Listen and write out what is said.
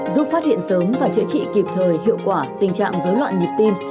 giúp phát hiện sớm và chữa trị kịp thời hiệu quả tình trạng dối loạn nhịp tim